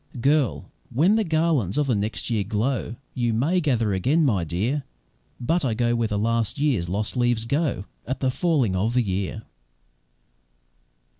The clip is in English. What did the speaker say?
Girl! when the garlands of next year glow, YOU may gather again, my dear But I go where the last year's lost leaves go At the falling of the year."